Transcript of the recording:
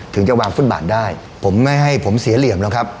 ถึงจะวางฟุตบาทได้ผมไม่ให้ผมเสียเหลี่ยมหรอกครับ